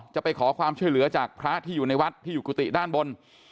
จะไปขอความช่วยเหลือจากพระที่อยู่ในวัดที่อยู่กุฏิด้านบน